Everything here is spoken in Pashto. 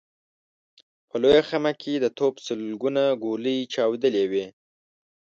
په لويه خيمه کې د توپ سلګونه ګولۍ چاودلې وې.